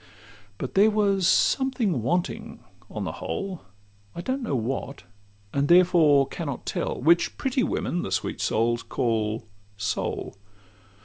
But there was something wanting on the whole— I don't know what, and therefore cannot tell— Which pretty women—the sweet souls!—call soul.